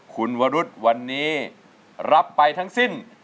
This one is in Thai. คุณวรุษวันนี้รับไปทั้งสิ้น